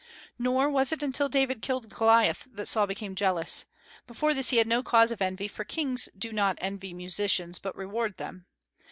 Nor was it until David killed Goliath that Saul became jealous; before this he had no cause of envy, for kings do not envy musicians, but reward them.